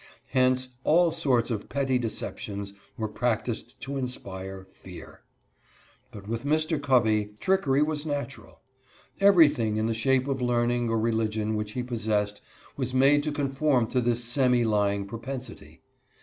Hence all sorts of petty deceptions were practiced to inspire fear. But with Mr. Covey trickery was natural. Everything in the shape of learning or religion which he possessed 150 A HYPOCRITE. was made to conform to this semi lying propensity.